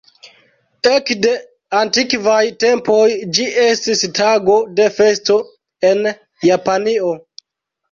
Ekde antikvaj tempoj ĝi estis tago de festo en Japanio.